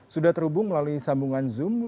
sudah terhubung melalui sambungan zoom